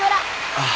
ああ。